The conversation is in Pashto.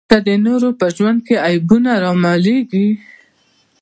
که د نورو په ژوند کې عیبونه رامعلومېږي.